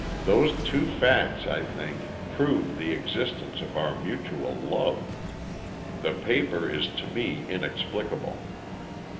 Those two facts, I think, prove the existence of our mutual love. The paper is to me inexplicable."